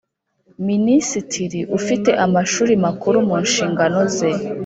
minisitiri ufite Amashuri Makuru mu nshingano ze